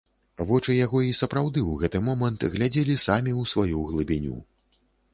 Вочы яго і сапраўды ў гэты момант глядзелі самі ў сваю глыбіню.